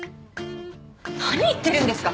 何言ってるんですか！